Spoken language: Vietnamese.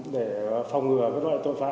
để phòng ngừa các loại tội phạm